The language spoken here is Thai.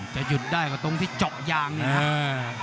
จะหยุดได้ก็ตรงที่เจาะยางนะครับ